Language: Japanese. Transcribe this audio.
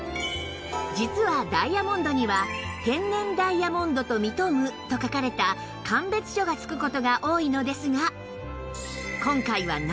実はダイヤモンドには「天然ダイヤモンドと認む」と書かれた鑑別書が付く事が多いのですが